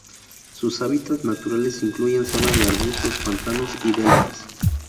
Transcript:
Sus hábitats naturales incluyen zonas de arbustos, pantanos y deltas.